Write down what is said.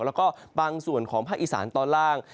แล้วก็บางส่วนของภาคอีสานตอนล่าง